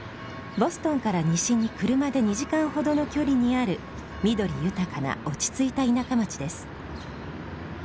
ボストンから西に車で２時間ほどの距離にある緑豊かな落ち着いた田舎町です。